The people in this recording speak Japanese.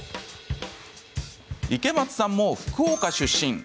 池松さんも福岡出身。